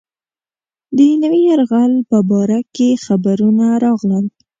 د نوي یرغل په باره کې خبرونه راغلل.